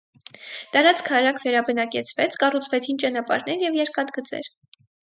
Տարածքը արագ վերաբնակեցվեց, կառուցվեցին ճանապարհներ և երկաթգծեր։